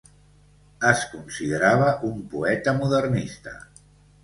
Es considerava un poeta modernista.